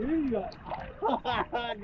ini tadi yang salah apa nih